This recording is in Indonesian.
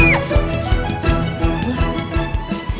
serem banget lagi